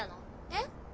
えっ？